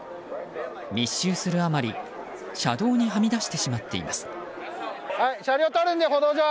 密集するあまり車道にはみ出してしまっています。